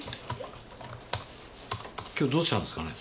今日どうしたんですかね？